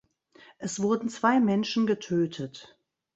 Es wurden zwei Menschen getötet.